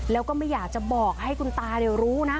แล้วก็ไม่อยากจะบอกให้คุณตารู้นะ